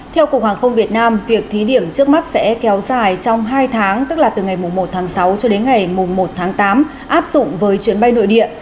theo cục hàng không việt nam việc thí điểm trước mắt sẽ kéo dài trong hai tháng tức là từ ngày một tháng sáu cho đến ngày một tháng tám áp dụng với chuyến bay nội địa